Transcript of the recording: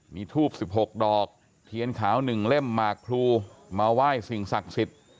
มีทูบ๑๖ดอกเทียนขาว๑เล่มหมากพลูมาไหว้สิ่งศักดิ์สิทธิ์